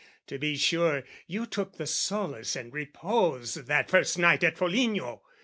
"To be sure, you took the solace and repose "That first night at Foligno!